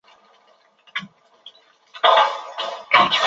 应该不会太难